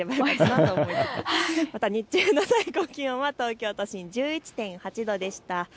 日中の最高気温は東京都心１１．８度でした。